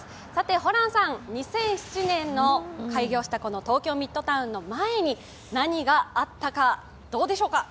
ホランさん、２００７年に開業したこのミッドタウンの前に何があったか、どうでしょうか？